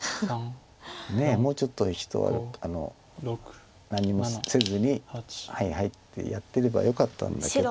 ねえもうちょっと何にもせずに「はいはい」ってやってればよかったんだけど。